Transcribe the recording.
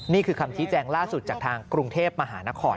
นี่คือคำชี้แจงล่าสุดจากทางกรุงเทพมหานคร